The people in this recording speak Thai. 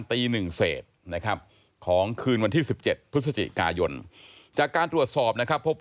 ตีหนึ่งเศษนะครับ